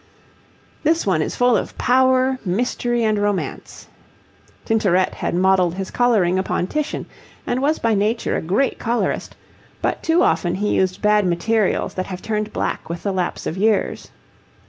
This one is full of power, mystery, and romance. Tintoret had modelled his colouring upon Titian and was by nature a great colourist, but too often he used bad materials that have turned black with the lapse of years.